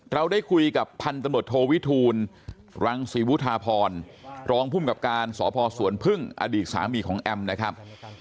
เราได้คุยกับพันตำรวจโทวิทูลรังศรีวุธาพรรองภูมิกับการสพสวนพึ่งอดีตสามีของแอมนะครับ